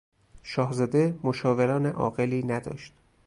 شاهزاده مشاوران عاقلی نداشت.